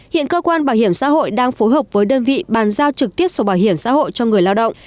hiện cơ quan bảo hiểm xã hội đang phối hợp với đơn vị bàn giao trực tiếp sổ bảo hiểm xã hội cho người lao động